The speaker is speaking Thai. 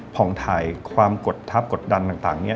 ผ่องถ่ายความกดทับกดดันต่างนี้